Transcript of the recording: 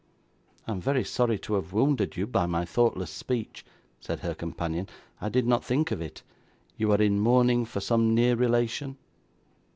'I am very sorry to have wounded you by my thoughtless speech,' said her companion. 'I did not think of it. You are in mourning for some near relation?